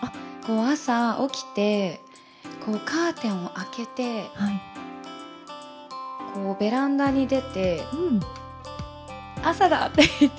朝起きて、カーテンを開けて、ベランダに出て、朝だって言って。